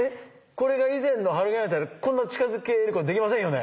これが以前のハロゲンライトだったらこんな近づけることできませんよね。